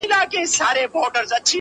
دواړي خویندي وې رنګیني ښایستې وې -